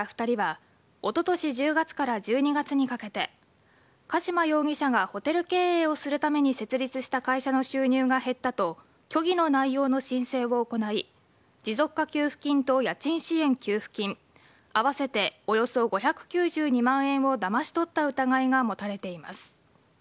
２人はおととし１０月から１２月にかけて加島容疑者がホテル経営をするために設立した会社の収入が減ったと虚偽の内容の申請を行い持続化給付金と家賃支援給付金合わせておよそ５９２万円をだまし取った疑いが持たれています。